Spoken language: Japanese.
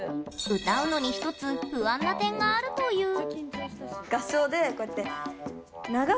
歌うのに１つ不安な点があるという。